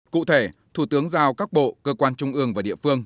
cụ thể thủ tướng giao các bộ cơ quan trung ương và địa phương